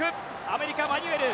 アメリカ、マニュエル。